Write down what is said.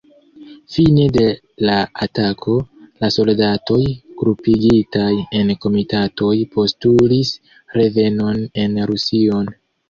Fine de la atako, la soldatoj grupigitaj en komitatoj postulis revenon en Rusion.